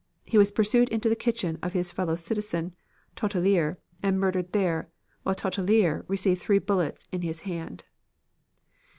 He was pursued into the kitchen of his fellow citizen Tautelier, and murdered there, while Tautelier received three bullets in his hand.